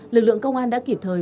lực lượng công an đã kịp thời